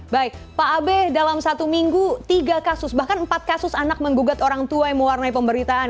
baik pak abe dalam satu minggu tiga kasus bahkan empat kasus anak menggugat orang tua yang mewarnai pemberitaan